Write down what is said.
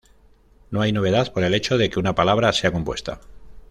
No hay novedad por el hecho de que una palabra sea compuesta.